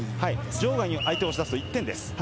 場外に相手を押し出すと１点です。